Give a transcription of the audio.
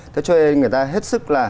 thế cho nên người ta hết sức là